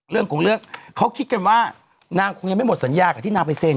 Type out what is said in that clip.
เรื่องของเรื่องเขาคิดกันว่านางคงยังไม่หมดสัญญากับที่นางไปเซ็น